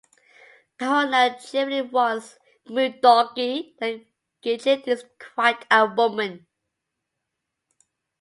Kahuna cheerfully warns Moondoggie that Gidget is quite a woman.